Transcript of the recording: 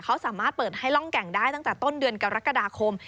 เขาสามารถเปิดให้ร่องแก่งได้ตั้งแต่ต้นเดือนกรกฎาคม